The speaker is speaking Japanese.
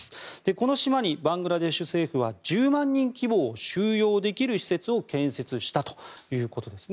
この島にバングラデシュ政府は１０万人規模を収容できる施設を建設したということです。